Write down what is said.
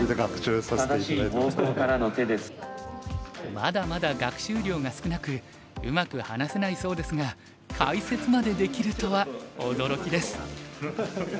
まだまだ学習量が少なくうまく話せないそうですが解説までできるとは驚きです。